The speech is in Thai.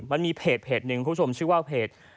มันมีเพจหนึ่งคุณผู้ชมชื่อว่าเพจ